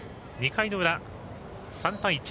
２回の裏、３対１。